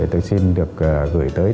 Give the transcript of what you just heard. tôi xin được gửi tới